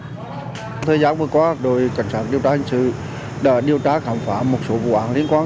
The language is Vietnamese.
thời gian vừa qua đội cảnh sát điều tra hình sự đã điều tra khám phá một số vụ án liên quan